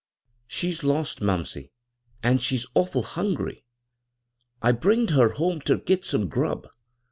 " She's lost, mumsey, an' she's awful hun gry. I bringed her home ter git some grub.